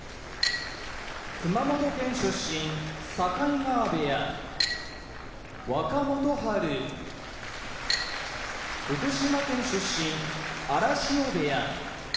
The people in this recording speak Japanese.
熊本県出身境川部屋若元春福島県出身荒汐部屋